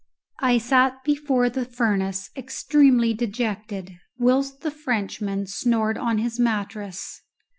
I sat before the furnace extremely dejected, whilst the Frenchman snored on his mattress.